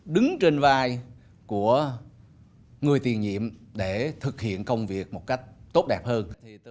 đứng trên vai của người tiền nhiệm để thực hiện công việc một cách tốt đẹp hơn